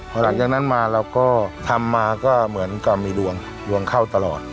พอหลังจากนั้นมาเราก็ทำมาก็เหมือนกับมีดวงดวงเข้าตลอด